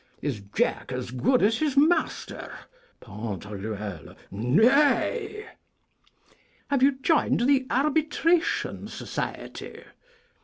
Is Jack as good as his master? Pan.: Nay! Have you joined the Arbitration Society?